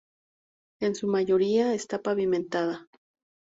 En su mayoría esta pavimentada.